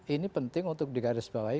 ini penting untuk digarisbawahi